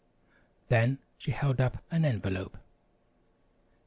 Then she held up an envelope.